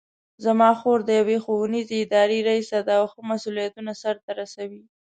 زما خور د یوې ښوونیزې ادارې ریسه ده او ښه مسؤلیتونه سرته رسوي